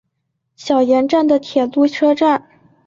小岩站的铁路车站。